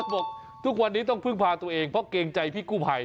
บอกทุกวันนี้ต้องพึ่งพาตัวเองเพราะเกรงใจพี่กู้ภัย